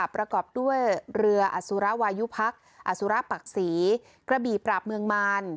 ประกอบด้วยเรืออสุระวายุพักษุระปักศรีกระบี่ปราบเมืองมาร